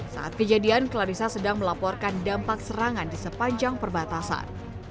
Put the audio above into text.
saat kejadian clarissa sedang melaporkan dampak serangan di sepanjang perbatasan